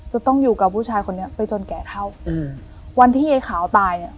จะต้องอยู่กับผู้ชายคนนี้ไปจนแก่เท่าอืมวันที่ไอ้ขาวตายเนี้ย